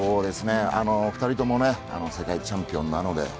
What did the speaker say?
２人とも世界チャンピオンなので。